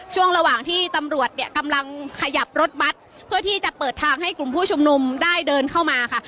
ช่วงระหว่างที่ตำรวจเนี่ยกำลังขยับรถบัตรเพื่อที่จะเปิดทางให้กลุ่มผู้ชุมนุมได้เดินเข้ามาค่ะ